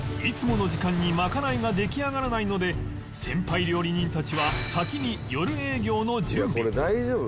いつもの時間にまかないが出来上がらないので先輩料理人たちは先に夜営業の準備